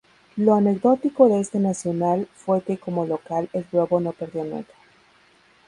Lo anecdótico de este Nacional fue que como local el "Globo" no perdió nunca.